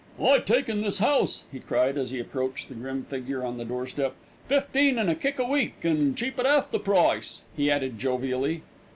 "I taken this 'ouse," he cried, as he approached the grim figure on the doorstep. "Fifteen an' a kick a week, an' cheap at 'alf the price," he added jovially.